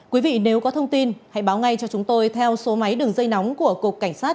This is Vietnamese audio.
quý vị nếu có thông tin hãy báo ngay cho chúng tôi theo số máy đường dây nóng của cục cảnh sát